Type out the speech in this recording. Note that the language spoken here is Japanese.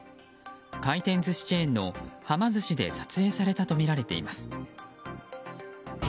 回転寿司チェーンのはま寿司で撮影されたとみられています。